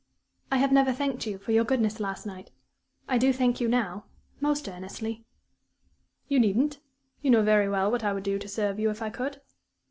"I have never thanked you for your goodness last night. I do thank you now most earnestly." "You needn't. You know very well what I would do to serve you if I could."